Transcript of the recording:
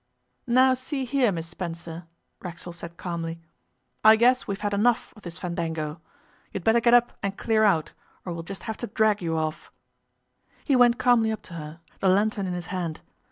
'Now see here, Miss Spencer,' Racksole said calmly, 'I guess we've had enough of this fandango. You'd better get up and clear out, or we'll just have to drag you off.' He went calmly up to her, the lantern in his hand.